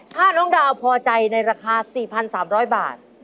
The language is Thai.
ถ้าน้องดาวพอใจในราคา๔๓๐๐บาท